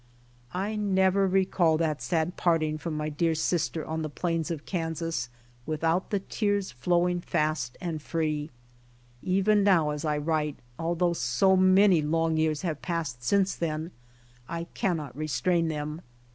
I never recall that sad parting from my dear sister on the plains of Kansas without the tears flow ing fast and free. Even now as I write, although so many long years have passed since then, I cannot restrain them.